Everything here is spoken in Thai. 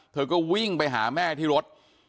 เธอก็วิ่งไปหาแม่ที่รถ